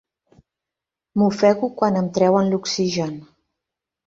M'ofego quan em treuen l'oxigen.